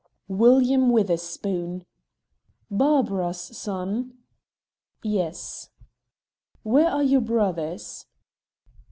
"William Witherspoon." "Barbara's son?" "Yes." "Where are your brothers?"